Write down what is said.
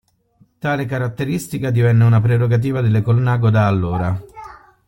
Tale caratteristica divenne una prerogativa delle Colnago da allora.